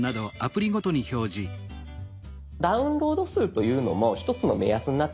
「ダウンロード数」というのも一つの目安になってまいります。